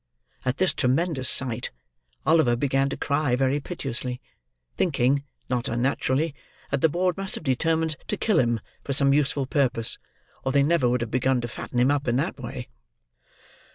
At this tremendous sight, Oliver began to cry very piteously: thinking, not unnaturally, that the board must have determined to kill him for some useful purpose, or they never would have begun to fatten him up in that way.